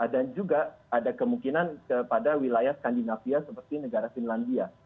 dan juga ada kemungkinan kepada wilayah skandinavia seperti negara finlandia